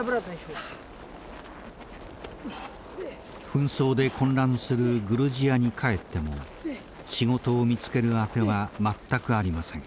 紛争で混乱するグルジアに帰っても仕事を見つける当ては全くありません。